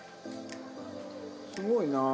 すごいなあ。